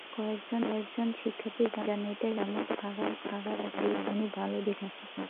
কয়েকজন শিক্ষার্থী জানায়, ইন্টারনেটে যেমন খারাপ দিক আছে, তেমনি ভালো দিকও আছে।